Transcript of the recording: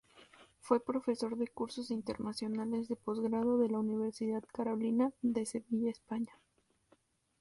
Fue profesor de cursos internacionales de Postgrado de la Universidad Carolina, de Sevilla, España.